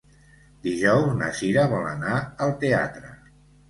Dijous na Cira vol anar al teatre.